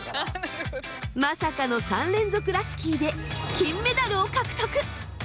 まさかの３連続ラッキーで金メダルを獲得！